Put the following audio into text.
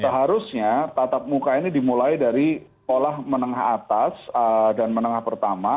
seharusnya tatap muka ini dimulai dari sekolah menengah atas dan menengah pertama